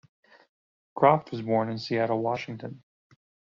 Croft was born in Seattle, Washington.